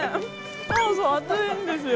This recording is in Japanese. そうそう熱いんですよ。